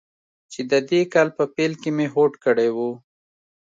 چې د دې کال په پیل کې مې هوډ کړی و.